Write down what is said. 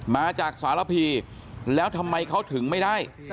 มาจากสารพีแล้วทำไมเขาถึงไม่ได้